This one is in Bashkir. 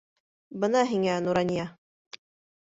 Бына һиңә Нурания!